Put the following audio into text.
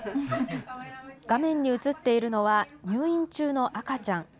画面に映っているのは、入院中の赤ちゃん。